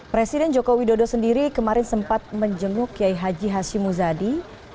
presiden joko widodo sendiri kemarin sempat menjenguk kiai haji hashim muzadi